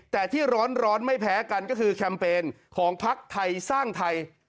แต่ที่ร้อนไม่แพ้กันก็คือแคมเปญของภักดิ์ไทยสร้างไทย